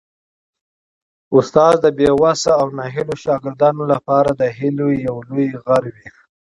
استاد د بې وسه او ناهیلو شاګردانو لپاره د هیلې یو لوی غر وي.